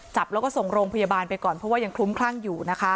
จับแล้วก็ส่งโรงพยาบาลไปก่อนเพราะว่ายังคลุ้มคลั่งอยู่นะคะ